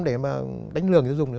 để mà đánh lường người tiêu dùng